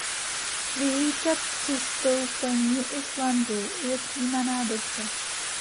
Vyhlídka přistoupení Islandu je přijímána dobře.